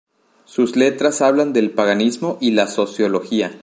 Sus letras hablan del paganismo y la sociología.